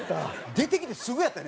出てきてすぐやったね。